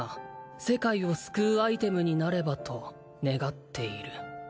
「世界を救うアイテムになればと願っている」